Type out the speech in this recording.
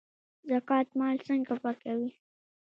زکات مال څنګه پاکوي؟